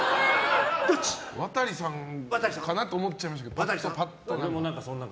渡さんかなと思っちゃいましたけど。